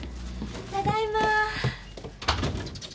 ただいまー。